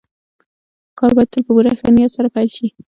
کار بايد تل په پوره ښه نيت سره پيل شي.